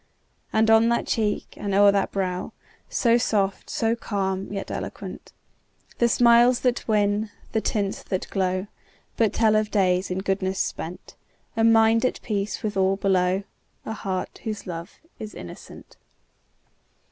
And on that cheek, and o'er that brow, So soft, so calm, yet eloquent, The smiles that win, the tints that glow, But tell of days in goodness spent, A mind at peace with all below, A heart whose love is innocent!